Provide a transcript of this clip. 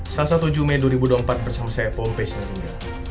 selasa tujuh mei dua ribu dua puluh empat bersama saya pompe selanjutnya